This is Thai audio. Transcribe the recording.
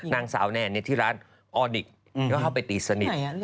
นางสาวเนนที่ร้านออนิกต์ต้องเข้าไปตีสนิท